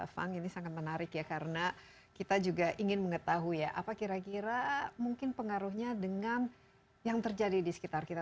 fang ini sangat menarik ya karena kita juga ingin mengetahui ya apa kira kira mungkin pengaruhnya dengan yang terjadi di sekitar kita